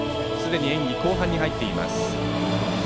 すでに演技後半に入っています。